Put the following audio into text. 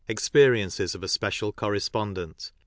EXPERIENCES OP A SPECIAL CORRESPONDENT.